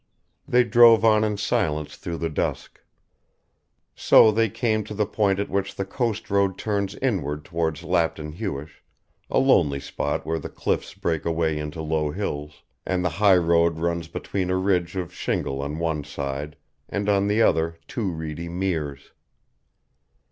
They drove on in silence through the dusk. So they came to the point at which the coast road turns inward towards Lapton Huish, a lonely spot where the cliffs break away into low hills, and the highroad runs between a ridge of shingle on one side and on the other two reedy meres.